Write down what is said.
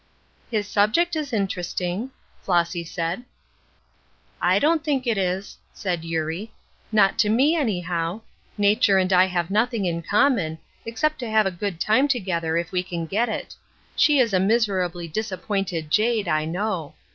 "His subject is interesting," Flossy said. "I don't think it is," said Eurie. "Not to me, anyhow. Nature and I have nothing in common, except to have a good time together if we can get it. She is a miserably disappointed jade, I know.